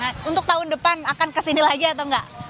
nah untuk tahun depan akan kesini lagi atau enggak